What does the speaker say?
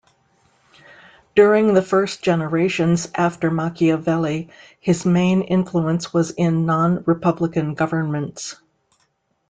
During the first generations after Machiavelli, his main influence was in non-Republican governments.